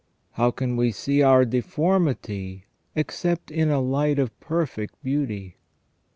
How can we see our deformity except in a light of perfect beauty